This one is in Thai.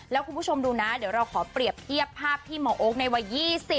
แล้วคุณผู้ชมดูนะเดี๋ยวเราขอเปรียบเทียบภาพที่หมอโอ๊คในวัย๒๐